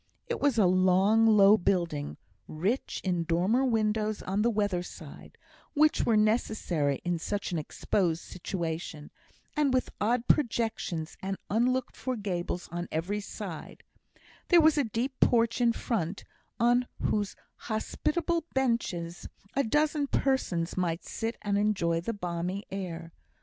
It was a long, low building, rich in dormer windows on the weather side, which were necessary in such an exposed situation, and with odd projections and unlooked for gables on every side; there was a deep porch in front, on whose hospitable benches a dozen persons might sit and enjoy the balmy air.